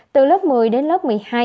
từ lớp một mươi đến lớp một mươi hai